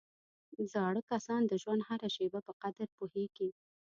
زاړه کسان د ژوند هره شېبه په قدر پوهېږي